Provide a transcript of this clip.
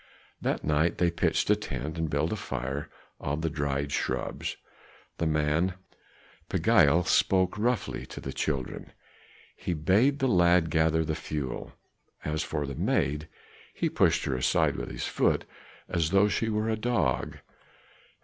That night they pitched a tent and built a fire of the dried shrubs. The man Pagiel spoke roughly to the children; he bade the lad gather the fuel; as for the maid, he pushed her aside with his foot, as though she were a dog.